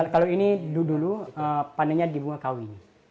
kalau ini dulu panennya di bunga kawi